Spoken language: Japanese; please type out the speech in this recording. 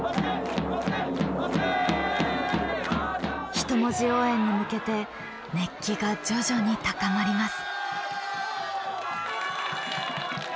人文字応援に向けて熱気が徐々に高まります。